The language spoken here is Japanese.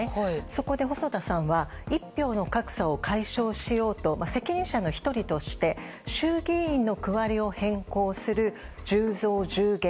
そこで細田さんは一票の格差を解消しようと責任者の１人として衆議院の区割りを変更する１０増１０減。